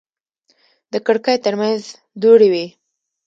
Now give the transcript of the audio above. د کړکۍ ترمنځ دوړې وې.